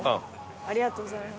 ありがとうございます。